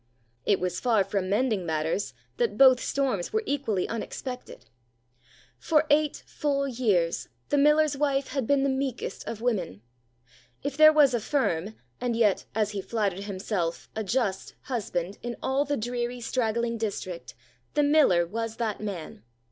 It was far from mending matters that both storms were equally unexpected. For eight full years the miller's wife had been the meekest of women. If there was a firm (and yet, as he flattered himself, a just) husband in all the dreary straggling district, the miller was that man.